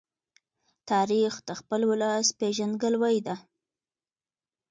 تاریخ د خپل ولس پېژندګلوۍ ده.